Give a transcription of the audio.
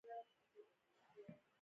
د ژوند تجربې انسان ته پوهه ورکوي.